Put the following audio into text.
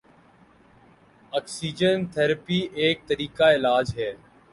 oxygen therapy ایک طریقہ علاج ہے